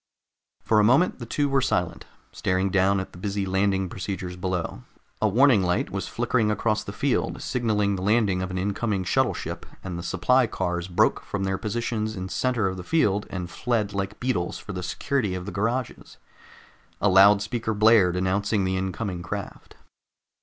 For a moment the two were silent, staring down at the busy landing procedures below. A warning light was flickering across the field, signaling the landing of an incoming shuttle ship, and the supply cars broke from their positions in center of the field and fled like beetles for the security of the garages. A loudspeaker blared, announcing the incoming craft.